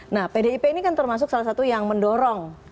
nah pdip ini kan termasuk salah satu yang mendorong